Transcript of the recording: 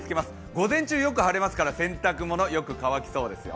午前中よく晴れますから、洗濯物よく乾きそうですよ。